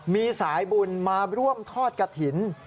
มีสายบุญมาร่วมทอดกระถิ่น